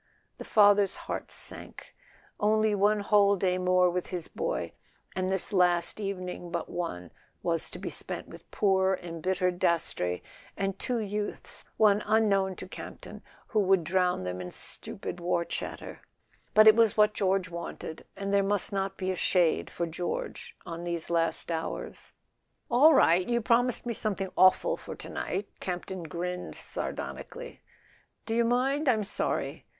The father's heart sank. Only one whole day more with his boy, and this last evening but one was to be spent with poor embittered Dastrey, and two youths, one unknown to Campton, who would drown them in stupid war chatter! But it was what George wanted; and there must not be a shade, for George, on these last hours. A SON AT THE FRONT "All right! You promised me something awful for to night," Camp ton grinned sardonically. "Do you mind? I'm sorry."